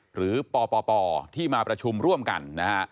หรือปปที่มาประชุมร่วมกันนะฮะ